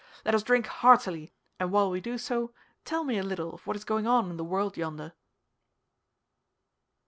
Let us drink heartily, and while we do so, tell me a little of what is going on in the world yonder."